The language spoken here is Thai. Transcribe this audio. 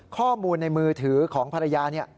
ข้อมูลในมือถือของภรรยา